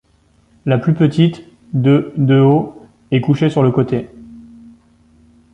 La plus petite, de de haut, est couchée sur le côté.